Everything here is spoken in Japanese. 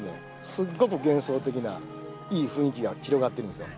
すっごく幻想的ないい雰囲気が広がってるんですよ。